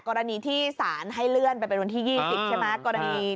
กรณีที่สารให้เลื่อนไปเป็นวันที่๒๐ใช่ไหม